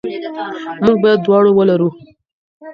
موږ باید دواړه ولرو.